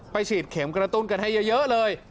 ฉีดเข็มกระตุ้นกันให้เยอะเลย